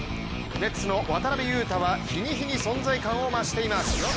ネッツの渡邊雄太は日に日に存在感を増しています。